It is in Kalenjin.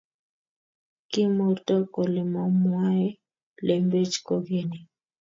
kimurto kole mamwaee lembech kogeny